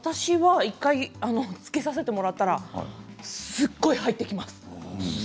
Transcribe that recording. １回つけさせてもらったらすごい入ってきます。